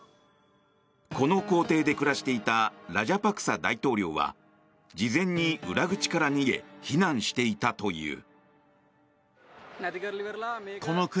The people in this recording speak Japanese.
この公邸で暮らしていたラジャパクサ大統領は事前に裏口から逃げ避難していたという。